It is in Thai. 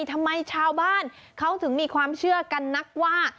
ชาวบ้านเขาถึงมีความเชื่อกันนักว่า